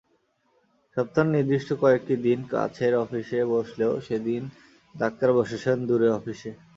সপ্তাহের নির্দিষ্ট কয়েকটি দিন কাছের অফিসে বসলেও সেদিন ডাক্তার বসেছেন দূরের অফিসে।